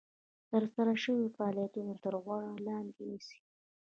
ترسره شوي فعالیتونه تر غور لاندې نیسي.